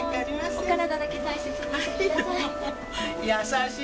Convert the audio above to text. お体だけ大切にしてください。